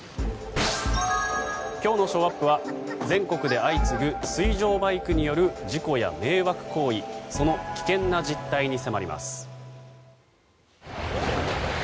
今日のショーアップは全国で相次ぐ水上バイクによる事故や迷惑行為その危険な実態に迫ります。